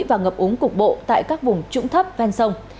và ngập úng cục bộ tại các vùng trũng thấp ven sông